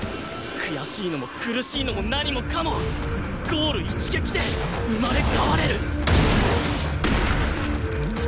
悔しいのも苦しいのも何もかもゴール一撃で生まれ変われる！